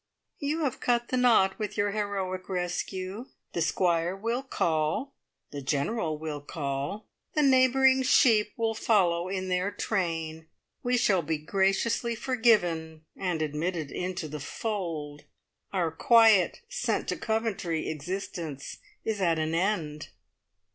"You have cut the knot with your heroic rescue! The Squire will call; the General will call; the neighbouring sheep will follow in their train. We shall be graciously `forgiven' and admitted into the fold. Our quiet, sent to Coventry existence is at an end."